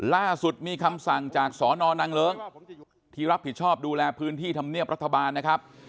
ล่าสุดมีคำสั่งจากสนนางเลิ้งที่รับผิดชอบดูแลพื้นที่ธรรมเนียบรัฐบาลนะครับ